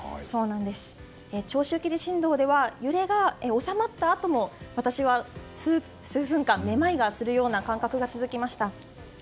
長周期地震動では揺れが収まったあとも私は数分間、めまいがするような感覚が続きました。